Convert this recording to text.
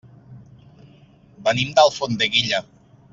Venim d'Alfondeguilla.